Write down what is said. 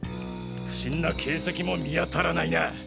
不審な形跡も見当たらないな。